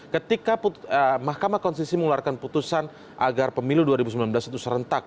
ketika mahkamah konstitusi mengeluarkan putusan agar pemilu dua ribu sembilan belas itu serentak